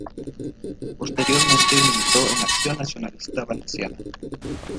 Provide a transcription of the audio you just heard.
Posteriormente militó en Acción Nacionalista Valenciana.